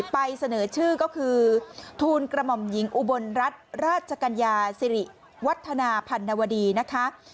เสนอชื่อก็คือทูลกระหม่อมหญิงอุบลรัฐราชกัญญาสิริวัฒนาพันนวดีนะคะ